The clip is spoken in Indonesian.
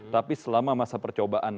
tapi selama masa percobaan